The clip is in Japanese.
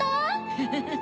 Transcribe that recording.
フフフ。